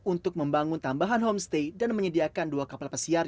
untuk membangun tambahan homestay dan menyediakan dua kapal pesiar